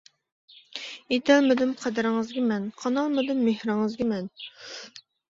يېتەلمىدىم قەدرىڭىزگە مەن، قانالمىدىم مېھرىڭىزگە مەن.